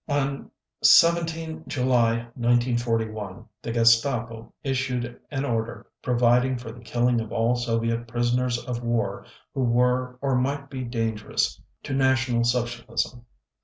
On 17 July 1941, the Gestapo issued an order providing for the killing of all Soviet prisoners of war who were or might be dangerous to National Socialism.